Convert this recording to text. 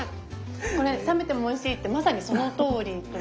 これ冷めてもおいしいってまさにそのとおりという感じですね。